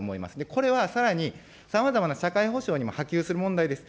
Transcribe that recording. これはさらに、さまざまな社会保障にも波及する問題です。